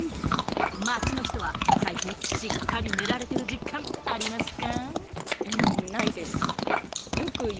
街の人は最近しっかり寝られてる実感、ありますか？